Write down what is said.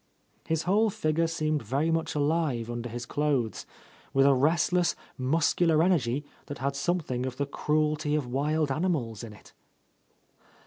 His whole figure seemed very much alive under his clothes, with a rest less, muscular energy that had something of the cruelty of wild animals in it.